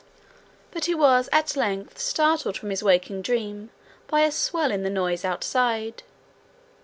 But he was at length startled from his waking dream by a swell in the noise outside.